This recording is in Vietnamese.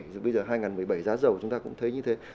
dù bây giờ hai nghìn một mươi bảy giá dầu chúng ta cũng thấy như thế